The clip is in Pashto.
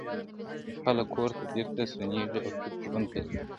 خلک کور ته بېرته ستنېږي او چوپ ژوند پيلوي-